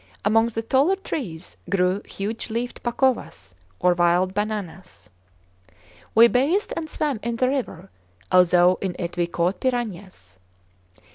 Among the taller trees grew huge leafed pacovas, or wild bananas. We bathed and swam in the river, although in it we caught piranhas.